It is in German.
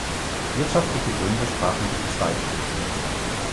Wirtschaftliche Gründe sprachen für die zweite Lösung.